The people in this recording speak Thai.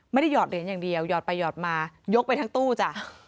หยอดเหรียญอย่างเดียวหยอดไปหยอดมายกไปทั้งตู้จ้ะ